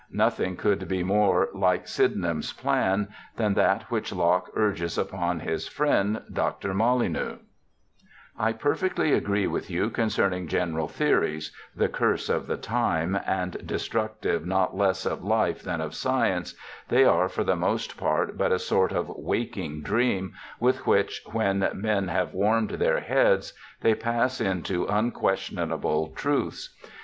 Nothing could be more like Sydenham's plan than that which Locke urges upon his friend Dr. Molyneux :* I perfectly agree with you concerning general theories — the curse of the time, and destructive not less of life than of science— they are for the most part but a sort of waking dream, with which, when men have warmed their heads, they pass into unquestionable truths.